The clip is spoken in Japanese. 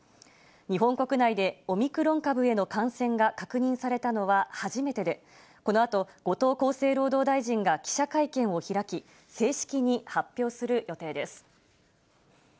日本国内でオミクロン株への感染が確認されたのは初めてで、このあと、後藤厚生労働大臣が記者会見を開き、正式に発表する予定です。